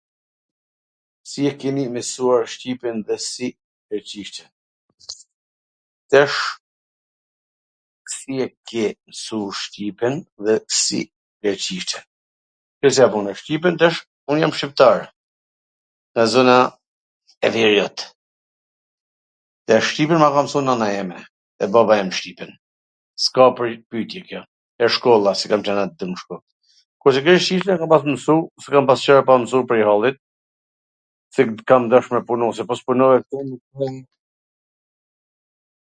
Si e keni mwsuar shqipen dhe si greqishten? Tash, si e ke msu shqipen dhe si greqishten? Shiko si a puna. Shqipen tash, un jam shqiptar, nga zona e Veriut, dhe shqipen ma ka msu nana eme, e baba im shqipen, s ka pytje kjo, dhe shkolla, se kam qwn aty n shkoll. Kurse greqishten e kam pas mwsu, e kam mwsu prej hallit, se kam dash me punu, se po s' punove ...